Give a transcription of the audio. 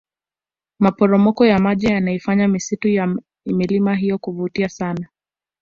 maporomoko ya maji yanaifanya misitu ya milima hiyo kuvutia sana